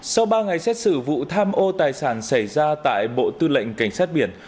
sau ba ngày xét xử vụ tham ô tài sản xảy ra tại bộ tư lệnh cảnh sát biển